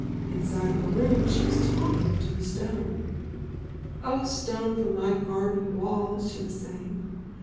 Inside her room she was talking to the stone. "Oh, stone from my garden wall," she was saying.